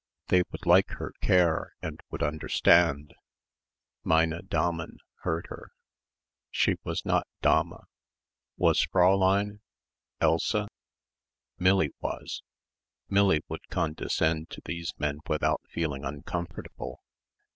They would like her care and would understand. "Meine Damen" hurt her. She was not Dame Was Fräulein? Elsa? Millie was. Millie would condescend to these men without feeling uncomfortable.